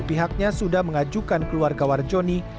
pihaknya sudah mengajukan keluarga warjoni